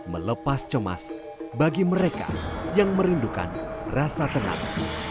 melepas cemas bagi mereka yang merindukan rasa tenang